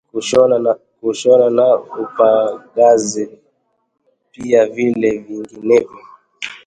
Kushona na upagazi, pia vile vyenginevyo